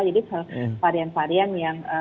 jadi varian varian yang